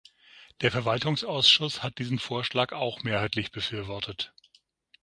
Der Verwaltungsausschuss hat diesen Vorschlag auch mehrheitlich befürwortet.